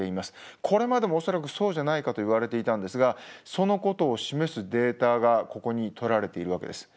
これまでも恐らくそうじゃないかといわれていたんですがそのことを示すデータがここにとられているわけです。